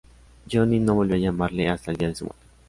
Johnny no volvió a llamarle hasta el día de su muerte.